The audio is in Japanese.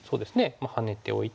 まあハネておいて。